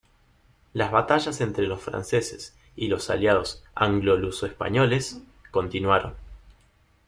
Las batallas entre los franceses y los aliados anglo-luso-españoles continuaron.